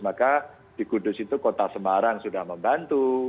maka di kudus itu kota semarang sudah membantu